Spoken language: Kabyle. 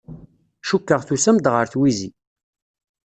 Cukkeɣ tusam-d ɣer twizi.